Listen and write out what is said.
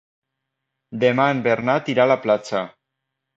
Demà en Bernat irà a la platja.